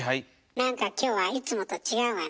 何か今日はいつもと違うわね。